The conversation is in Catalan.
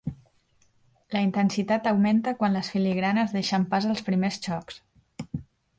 La intensitat augmenta quan les filigranes deixen pas als primers xocs.